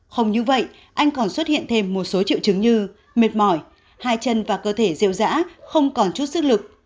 không như vậy anh còn xuất hiện thêm một số triệu chứng như mệt mỏi hai chân và cơ thể diêu dã không còn chút sức lực